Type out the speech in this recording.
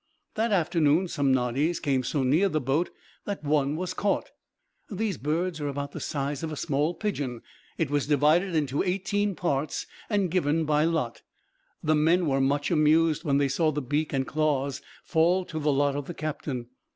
That afternoon some noddies came so near the boat that one was caught. These birds are about the size of a small pigeon; it was divided into eighteen parts and given by lot. The men were much amused when they saw the beak and claws fall to the lot of the captain.